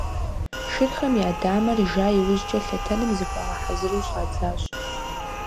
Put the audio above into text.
Шырхэм я дамэр жа иужькӀэ, лъэтэным зыхуагъэхьэзыру щӀадзащ.